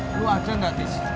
lo ada enggak tis